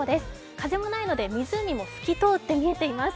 風もないので、湖も透き通って見えています。